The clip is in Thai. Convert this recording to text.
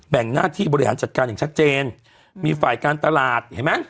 งหน้าที่บริหารจัดการอย่างชัดเจนมีฝ่ายการตลาดเห็นไหม